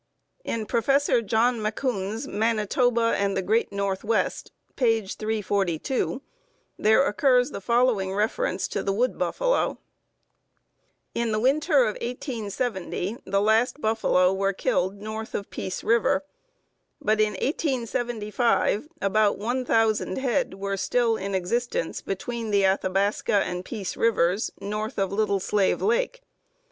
In Prof. John Macoun's "Manitoba and the Great Northwest," page 342, there occurs the following reference to the wood buffalo: "In the winter of 1870 the last buffalo were killed north of Peace River; but in 1875 about one thousand head were still in existence between the Athabasca and Peace Rivers, north of Little Slave Lake.